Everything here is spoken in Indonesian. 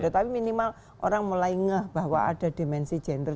tapi minimal orang mulai ngeh bahwa ada dimensi gender